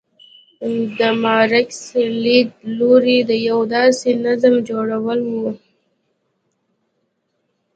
د مارکس لیدلوری د یو داسې نظام جوړول و.